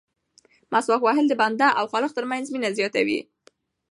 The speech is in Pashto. مسواک وهل د بنده او خالق ترمنځ مینه زیاتوي.